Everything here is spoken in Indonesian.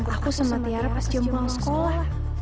aku sama tiara pas jempol sekolah